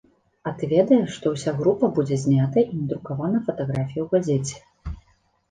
А ты ведаеш, што ўся група будзе знята і надрукавана фатаграфія ў газеце.